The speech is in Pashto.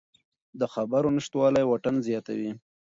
د خبرو نشتوالی واټن زیاتوي